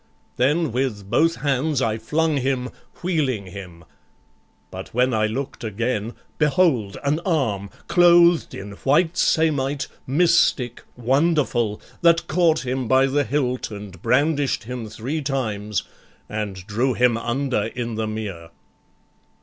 Then with both hands I flung him, wheeling him; But when I look'd again, behold an arm, Clothed in white samite, mystic, wonderful, That caught him by the hilt and brandish'd him Three times, and drew him under in the mere."